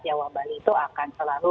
jawa bali itu akan selalu